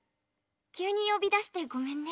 急に呼び出してごめんね。